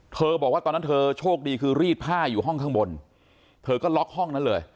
บอกว่าตอนนั้นเธอโชคดีคือรีดผ้าอยู่ห้องข้างบนเธอก็ล็อกห้องนั้นเลย